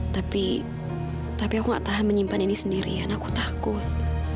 tapi tapi aku gak tahan menyimpan ini sendirian aku takut